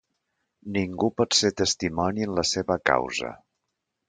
Ningú pot ser testimoni en la seva causa.